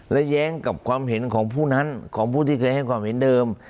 และแย้งกับความเห็นของผู้นั้นของผู้ที่เคยให้ความเห็นเดิม